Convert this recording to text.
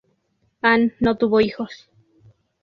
Ann no tuvo hijos.